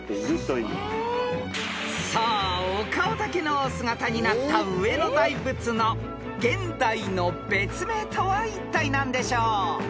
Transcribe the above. ［さあお顔だけのお姿になった上野大仏の現代の別名とはいったい何でしょう？］